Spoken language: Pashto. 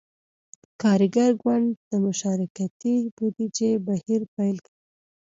کارګر ګوند د »مشارکتي بودیجې« بهیر پیل کړ.